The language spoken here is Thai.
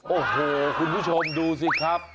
โอ้โหคุณผู้ชมดูสิครับ